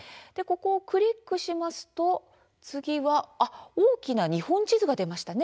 クリックすると次は大きな日本地図が出ました。